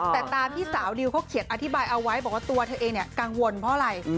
แต่ตามที่สาวดิวเขาเขียนอธิบายเอาไว้บอกว่าตัวเธอเองกังวลเพราะอะไร